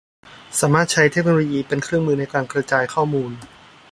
สามารถใช้เทคโนโลยีเป็นเครื่องมือในการกระจายข้อมูล